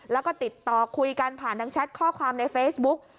แล้วก็ติดต่อคุยกันผ่านทางแชทข้อความในเฟซบุ๊ก